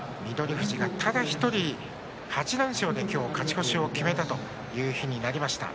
富士がただ１人８連勝で今日勝ち越しを決めたという日になりました。